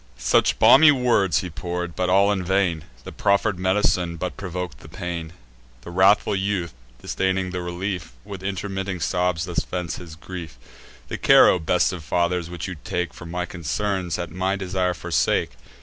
Such balmy words he pour'd, but all in vain: The proffer'd med'cine but provok'd the pain. The wrathful youth, disdaining the relief, With intermitting sobs thus vents his grief: "The care, O best of fathers, which you take For my concerns, at my desire forsake.